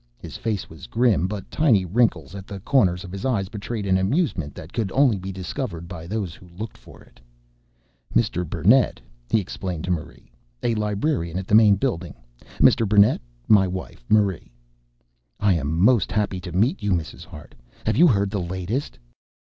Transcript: His face was grim, but tiny wrinkles at the corners of his eyes betrayed an amusement that could only be discovered by those who looked for it. "Mr. Burnett," he explained to Marie. "A librarian at the main building. Mr. Burnett, my wife Marie." "I am most happy to meet you, Mrs. Hart. Have you heard the latest?"